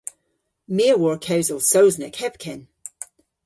My a wor kewsel Sowsnek hepken.